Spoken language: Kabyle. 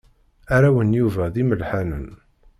Arraw n Yuba d imelḥanen.